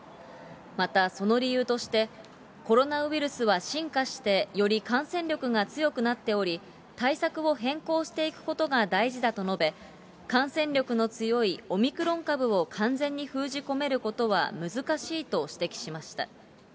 またその理由として、コロナウイルスは進化してより感染力が強くなっており、対策を変更していくことが大事だと述べ、感染力の強いオミクロン株を完全に封じ込めることは難しいと指摘しました。